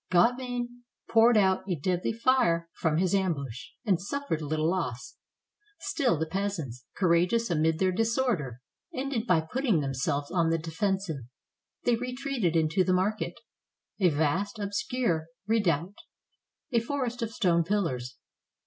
Gauvain poured out a deadly fire from his ambush, and suffered little loss. Still the peasants, courageous amid their disorder, ended by putting themselves on the defensive ; they re treated into the market, — a vast, obscure redoubt, a forest of stone pillars.